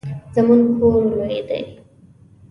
زمونږ کور لوی دی